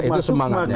maka itu semangatnya